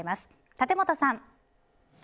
立本さん。